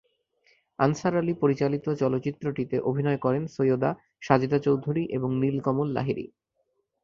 Answer Ali পরিচালিত চলচ্চিত্রটিতে অভিনয় করেন সৈয়দা সাজেদা চৌধুরী এবং নীলকমল লাহিড়ী।